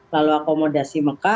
lalu akomodasi mekah